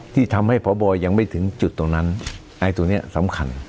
ที่ทำให้พบยังไม่ถึงจุดตรงนั้นไอ้ตรงนี้สำคัญ